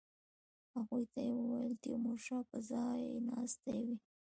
هغوی ته یې وویل تیمورشاه به ځای ناستی وي.